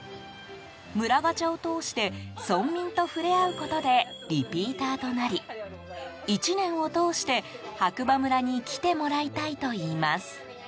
村ガチャを通して村民と触れ合うことでリピーターとなり１年を通して、白馬村に来てもらいたいといいます。